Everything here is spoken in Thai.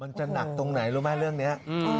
หนักตรงไหนรู้ไหมเรื่องนี้